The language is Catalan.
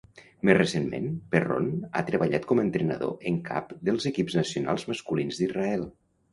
Més recentment, Perron ha treballat com a entrenador en cap dels equips nacionals masculins d'Israel.